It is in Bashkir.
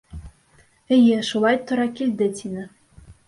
— Эйе, шулай тура килде,— тине.